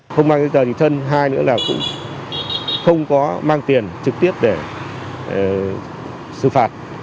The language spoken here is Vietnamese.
không mang tiền thân hai nữa là cũng không có mang tiền trực tiếp để xử phạt